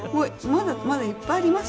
「まだいっぱいありますよ」